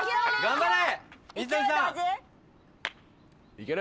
頑張れ。